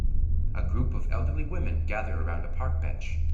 A group of elderly women gather around on a park bench.